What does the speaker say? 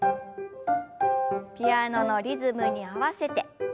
ピアノのリズムに合わせて。